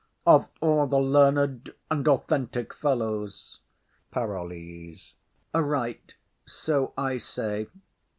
Of all the learned and authentic fellows,— PAROLLES. Right; so I say.